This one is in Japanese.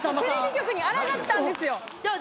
テレビ局にあらがったんですよ。